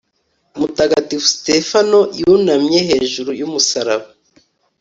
mutagatifu sitefano yunamye hejuru y'umusaraba